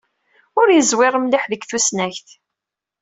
Ur yeẓwir mliḥ deg tusnakt.